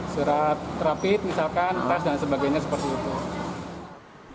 syarat rapit misalkan tas dan sebagainya seperti itu